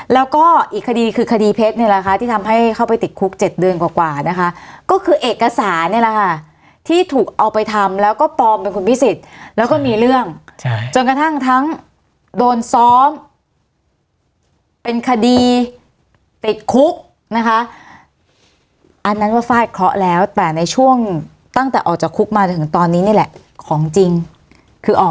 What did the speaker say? แล้วก็อีกคดีคือคดีเพชรเนี่ยแหละค่ะที่ทำให้เข้าไปติดคุกเจ็ดเดือนกว่านะคะก็คือเอกสารเนี่ยแหละค่ะที่ถูกเอาไปทำแล้วก็ปลอมเป็นคุณพิสิทธิ์แล้วก็มีเรื่องจนกระทั่งทั้งโดนซ้อมเป็นคดีติดคุกนะคะอันนั้นว่าฟาดเคราะห์แล้วแต่ในช่วงตั้งแต่ออกจากคุกมาจนถึงตอนนี้นี่แหละของจริงคือออก